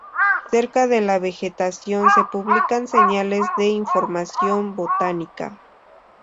Cerca de la vegetación se publican señales de información botánica.